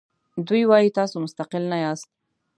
دوی وایي تاسو مستقل نه یاست.